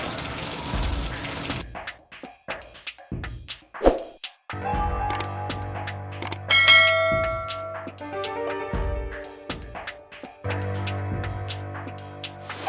tidak ada yang bisa